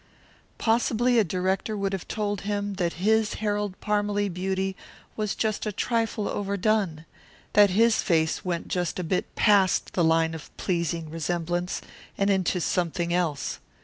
Possibly a director would have told him that his Harold Parmalee beauty was just a trifle overdone; that his face went just a bit past the line of pleasing resemblance and into something else.